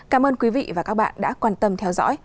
cảm ơn quý vị và các bạn đã quan tâm theo dõi